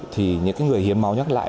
chỉ có tăng tỷ lệ người hiến máu nhắc lại